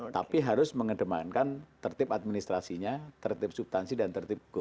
tapi harus mengedepankan tertib administrasinya tertib subtansi dan tertib